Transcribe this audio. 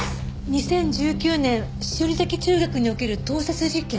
「２０１９年栞崎中学における盗撮事件」。